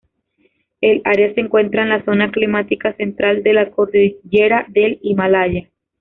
El área se encuentra en la zona climática central de la cordillera del Himalaya.